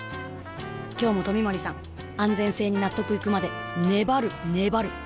今日も冨森さん安全性に納得いくまで粘る粘る